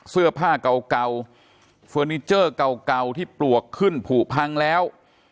เสื้อผ้าเก่าเฟอร์นิเจอร์เก่าที่ปลวกขึ้นผูพังแล้ว